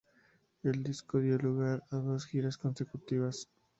El disco dio lugar a dos giras consecutivas.